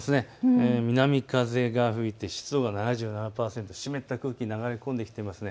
南風が吹いて湿度が７７％、湿った空気が流れ込んできていますね。